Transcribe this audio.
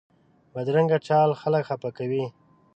بدرنګه چال خلک خفه کوي